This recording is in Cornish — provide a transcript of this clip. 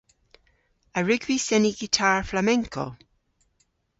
A wrug vy seni gitar flamenco?